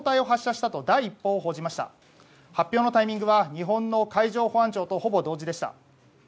発表のタイミングは日本の海上保安庁とほぼ同時でした。